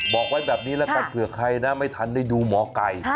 บอกไว้แบบนี้แล้วกันเผื่อใครนะไม่ทันได้ดูหมอไก่